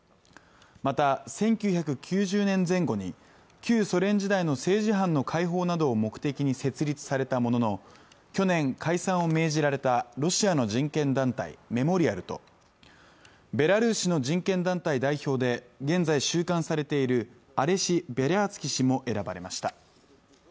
また、１９９０年前後に旧ソ連時代の政治犯の解放などを目的に設立されたものの、去年、解散を命じられたロシアの人権団体、メモリアルとベラルシーの人権団体代表で、現在収監されているアレシ・ビャリャーツキ氏も選ばれました。